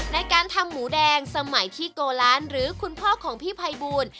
ในการทำหมูแดงสมัยที่โกลานหรือคุณพ่อของพี่ภัยบูล